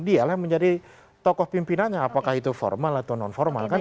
dialah yang menjadi tokoh pimpinannya apakah itu formal atau non formal kan